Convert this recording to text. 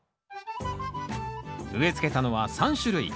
植えつけたのは３種類。